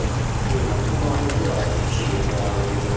Il matrimonio è durato cinque anni.